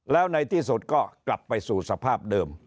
แล้วในที่สุดก็กลับไปสู่สภาพเดิม